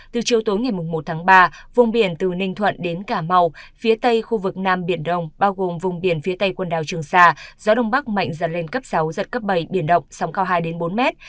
từ chiều tối ngày một tháng ba vùng biển từ ninh thuận đến cà mau phía tây khu vực nam biển đông bao gồm vùng biển phía tây quần đảo trường sa gió đông bắc mạnh dần lên cấp sáu giật cấp bảy biển động sóng cao hai bốn mét